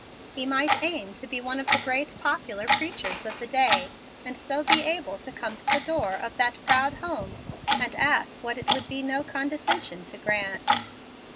He might aim to be one of the great popular preachers of the day; and so be able to come to the door of that proud home and ask what it would be no condescension to grant.